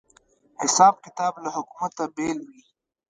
حساب کتاب له حکومته بېل وي